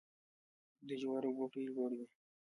د جوارو بوټی لوړ وي.